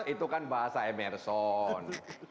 itu kan bahasa emerson